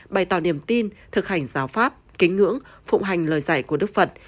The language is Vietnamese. bày tạo niềm tin thực hành giáo pháp kính ngưỡng phụng hành lời dạy của đức phật